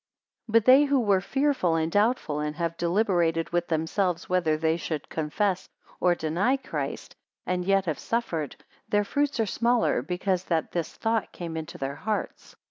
237 But they who were fearful and doubtful, and have deliberated with themselves whether they should confess or deny Christ, and yet have suffered; their fruits are smaller, because that this thought came into their hearts.